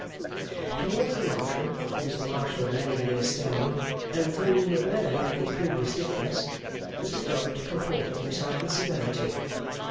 Towards the Marshal, who was a Marshal of many years' standing, and with whom he had never had any previous difference, Mr Dorrit comported himself with severity.